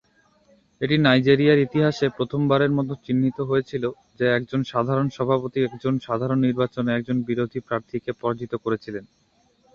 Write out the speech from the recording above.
এটি নাইজেরিয়ার ইতিহাসে প্রথমবারের মত চিহ্নিত হয়েছিল যে একজন সাধারণ সভাপতি একজন সাধারণ নির্বাচনে একজন বিরোধী প্রার্থীকে পরাজিত করেছিলেন।